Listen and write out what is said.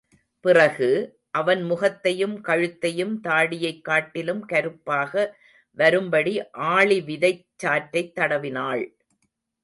பிறகு, அவன் முகத்தையும் கழுத்தையும் தாடியைக் காட்டிலும் கருப்பாக வரும்படி ஆளிவிதைச் சாற்றைத் தடவினாள்.